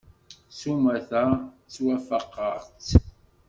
S umata, ttwafaqeɣ-tt.